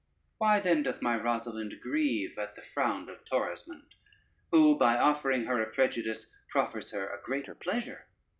Why then doth my Rosalynde grieve at the frown of Torismond, who by offering her a prejudice proffers her a greater pleasure?